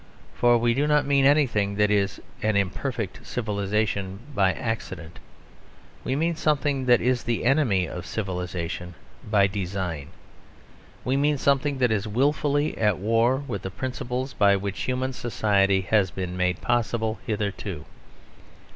For we do not mean anything that is an imperfect civilisation by accident. We mean something that is the enemy of civilisation by design. We mean something that is wilfully at war with the principles by which human society has been made possible hitherto.